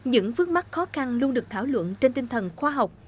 những vướng mắt khó khăn luôn được thảo luận trên tinh thần khoa học